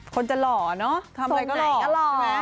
คนจะหล่อเนาะทำอะไรก็หล่อ